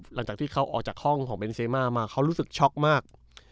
หลังจากที่เขาออกจากห้องของเบนเซมามาเขารู้สึกช็อกมาก